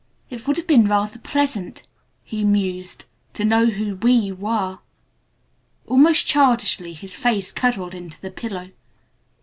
"It would have been rather pleasant," he mused "to know who 'we' were." Almost childishly his face cuddled into the pillow.